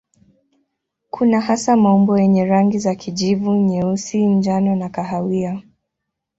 Kuna hasa maumbo yenye rangi za kijivu, nyeusi, njano na kahawia.